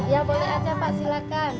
ya boleh aja pak silakan